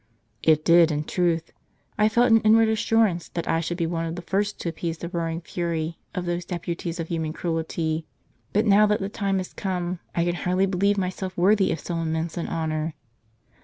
" It did, in truth. I felt an inward assurance that I should be one of the first to appease the roaring fury of those deputies of human cruelty. But now that the time is come, I can hardly believe myself worthy of so immense an honor.